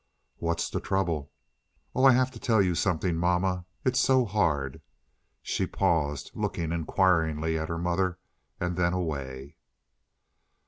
"What's the trouble?" "Oh, I have to tell you something, mamma. It's so hard." She paused, looking inquiringly at her mother, and then away.